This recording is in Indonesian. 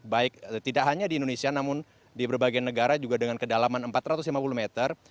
baik tidak hanya di indonesia namun di berbagai negara juga dengan kedalaman empat ratus lima puluh meter